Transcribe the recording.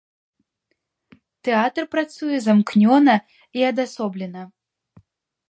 Тэатр працуе замкнёна і адасоблена.